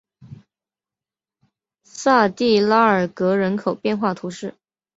萨蒂拉尔格人口变化图示